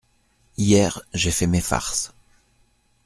Hier ; j’ai fait mes farces…